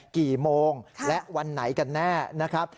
กี่โมงและวันไหนกันแน่นะครับ